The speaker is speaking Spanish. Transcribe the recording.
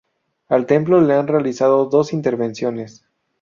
Al templo le han realizado dos intervenciones.